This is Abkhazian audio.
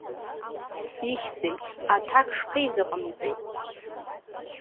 Ихьзеи, аҭак шԥеизыҟамҵеи?